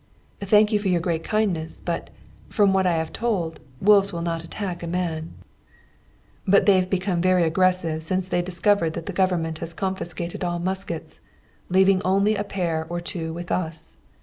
"I thank you for your great kindness; but, from what I am told, wolves will not attack a man." "But they've become very aggressive since they discovered that the Government has confiscated all muskets, leaving only a pair or two with us.